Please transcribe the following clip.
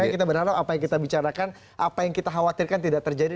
baik kita berharap apa yang kita bicarakan apa yang kita khawatirkan tidak terjadi